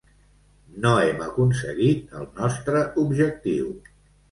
No hem aconseguit el nostre objectiu.